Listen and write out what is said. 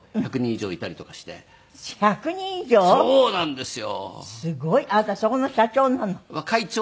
そうなんですよ。